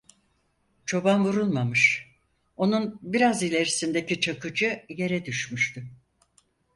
Çoban vurulmamış onun biraz ilerisindeki Çakıcı yere düşmüştü.